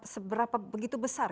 seberapa begitu besar